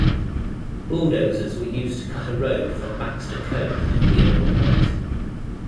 Bulldozers were used to cut a road from Baxter Cove to Theodore Point.